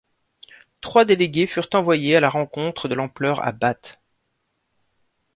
Trois délégués furent envoyés à la rencontre de l'empereur à Bath.